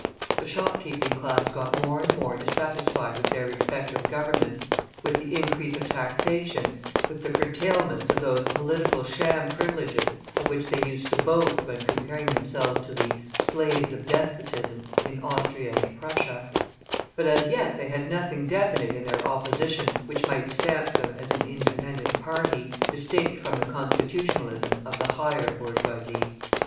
The shopkeeping class got more and more dissatisfied with their respective Governments, with the increase of taxation, with the curtailments of those political sham privileges of which they used to boast when comparing themselves to the "slaves of despotism" in Austria and Prussia; but as yet they had nothing definite in their opposition which might stamp them as an independent party, distinct from the Constitutionalism of the higher bourgeoisie.